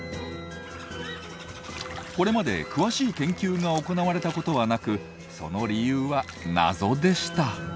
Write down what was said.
これまで詳しい研究が行われたことはなくその理由は謎でした。